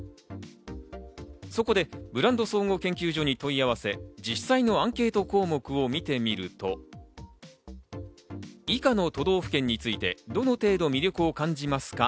そこでブランド総合研究所に問い合わせ、実際のアンケート項目を見てみると、以下の都道府県についてどの程度魅力を感じますか？